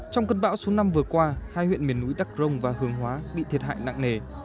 trong cơn bão số năm vừa qua hai huyện miền núi đắk rồng và hướng hóa bị thiệt hại nặng nề